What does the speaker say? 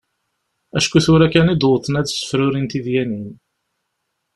Acku tura kan i d-wwḍen ad sefrurin tidyanin.